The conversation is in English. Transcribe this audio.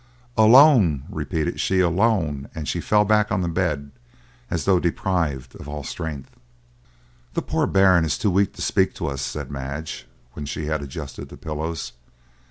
"Alone!" repeated she, "alone!"—and she fell back on the bed, as though deprived of all strength. "The poor bairn is too weak to speak to us," said Madge, when she had adjusted the pillows.